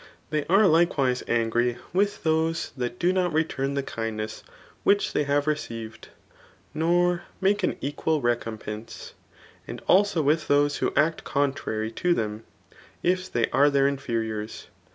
They are likewise angry with those that do not return the kind neM which they have received, nor make an equal te* compense; and also with those who act contrary to them, if they are their inferiours.